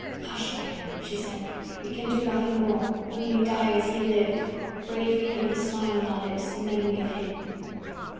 "Hush, dear!" she said. "We can do nothing more, only die, as he lived, bravely and with a smile on our lips, in memory of him."